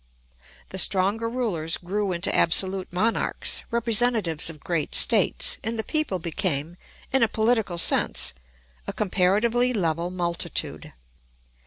The stronger rulers grew into absolute monarchs, representatives of great states, and the people became, in a political sense, a comparatively level multitude.